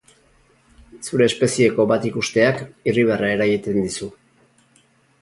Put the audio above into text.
Zure espezieko bat ikusteak irribarrea eragiten dizu.